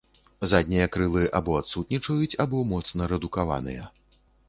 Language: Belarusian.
Заднія крылы або адсутнічаюць або моцна рэдукаваныя.